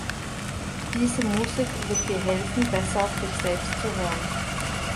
Diese Musik wird dir helfen, besser auf dich selbst zu hören.